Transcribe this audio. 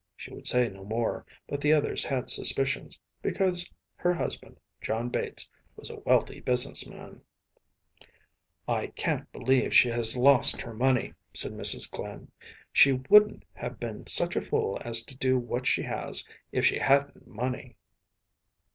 She would say no more, but the others had suspicions, because her husband, John Bates, was a wealthy business man. “I can’t believe she has lost her money,‚ÄĚ said Mrs. Glynn. “She wouldn’t have been such a fool as to do what she has if she hadn’t money.